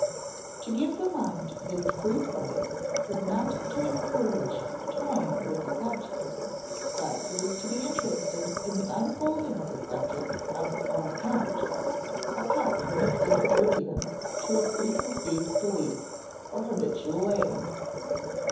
To give the mind this free play is not to encourage toying with a subject, but is to be interested in the unfolding of the subject on its own account, apart from its subservience to a preconceived belief or habitual aim.